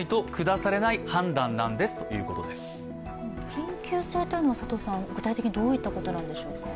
緊急性というのは具体的にどういったことなんでしょうか？